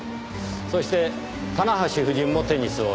そして棚橋夫人もテニスをしていた。